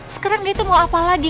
sekarang dia itu mau apa lagi